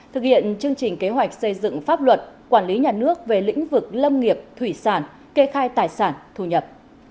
thực hiện chương trình kế hoạch xây dựng pháp luật quản lý nhà nước về lĩnh vực lâm nghiệp thủy sản kê khai tài sản thu nhập